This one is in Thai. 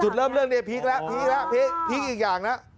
จุดเริ่มเรื่องเนี่ยพีคละพีคละพีคอีกอย่างนะ